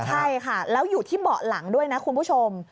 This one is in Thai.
ใช่ค่ะแล้วอยู่ที่เบาะหลังด้วยนะคุณผู้ชม